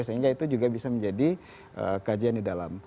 sehingga itu juga bisa menjadi kajian di dalam